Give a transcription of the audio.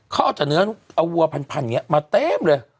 เขาเอาแต่เนื้อเอาวัวพันอย่างนี้มาเต็มเลย